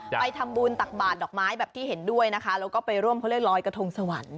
ไปทำบุญตักบาดดอกไม้แบบที่เห็นด้วยนะคะแล้วก็ไปร่วมเขาเรียกรอยกระทงสวรรค์